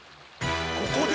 ここで？